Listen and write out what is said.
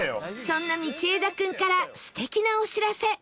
そんな道枝君から素敵なお知らせ